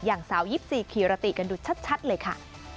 อย่างสาว๒๔คีรติกันดูชัดเลยค่ะ